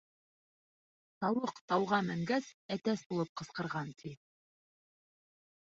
Тауыҡ тауға менгәс, әтәс булып ҡысҡырған, ти.